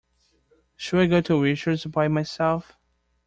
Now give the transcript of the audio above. Should I go to Richard's by myself?